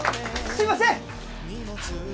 すみません！